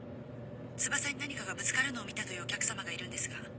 翼に何かがぶつかるのを見たというお客さまがいるんですが。